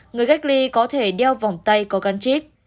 người cách ly có thể đeo vòng tay có gắn chip